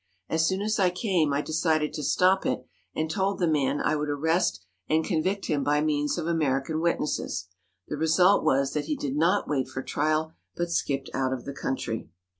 As soon as I came I de cided to stop it and told the man I would arrest and convict him by means of American witnesses. The re sult was that he did not wait for trial, but skipped out of the country."